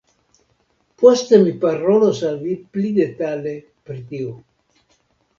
Poste mi parolos al vi pli detale pri tio.